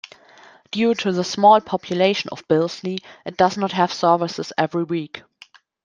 Due to the small population of Billesley, it does not have services every week.